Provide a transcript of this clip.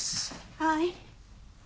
はい。